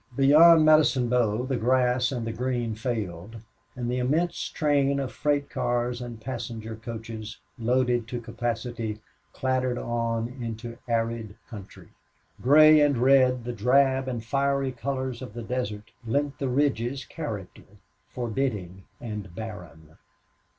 Beyond Medicine Bow the grass and the green failed and the immense train of freight cars and passenger coaches, loaded to capacity, clattered on into arid country. Gray and red, the drab and fiery colors of the desert lent the ridges character forbidding and barren.